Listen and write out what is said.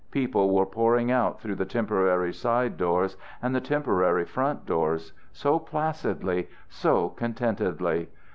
People were pouring out through the temporary side doors and the temporary front doors so placidly, so contentedly!